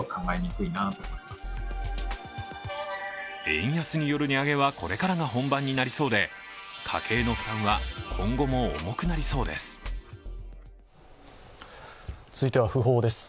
円安による値上げはこれからが本番になりそうで家計の負担は今後も重くなりそうです。